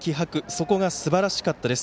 そこがすばらしかったです。